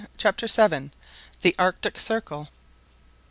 CHAPTER VII. THE ARCTIC CIRCLE.